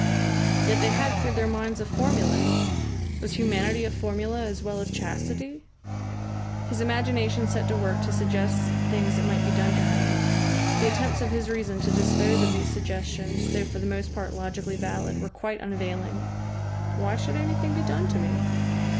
Yet they had cleared their minds of formulae! Was humanity a formula as well as chastity? His imagination set to work to suggest things that might be done to him. The attempts of his reason to dispose of these suggestions, though for the most part logically valid, were quite unavailing. "Why should anything be done to me?"